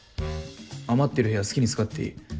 余ってる部屋好きに使っていい。